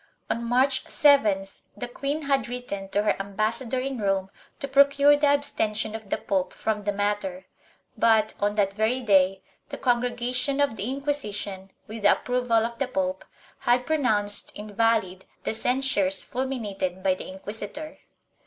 On March 7th the queen had written to her ambassador in Rome to procure the abstention of the pope from the matter, but, on that very day, the Congregation of the Inquisition, with the approval of the pope, had pronounced invalid the censures fulminated by the inquisitor.